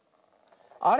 あれ？